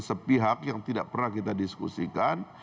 sepihak yang tidak pernah kita diskusikan